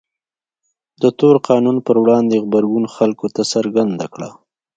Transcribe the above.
د تور قانون پر وړاندې غبرګون خلکو ته څرګنده کړه.